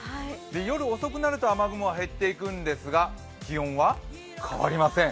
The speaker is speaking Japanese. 夜遅くなると雨雲は減っていくんですが気温は変わりません。